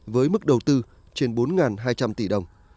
với mức đầu tư trên bốn hai trăm linh tỷ đồng